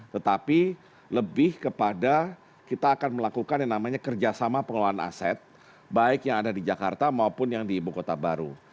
tetapi lebih kepada kita akan melakukan yang namanya kerjasama pengelolaan aset baik yang ada di jakarta maupun yang di ibu kota baru